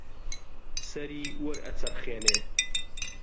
سەری وەرئەچەرخێنێ